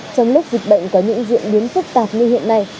trong lúc dịch bệnh có những diễn biến phức tạp như hiện nay